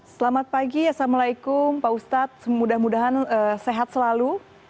selamat pagi assalamualaikum pak ustadz semoga sehat selalu